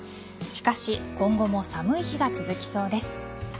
しかし、今後も寒い日が続きそうです。